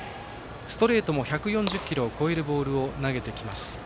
ストレートも１４０キロを超えるボールを投げてきます。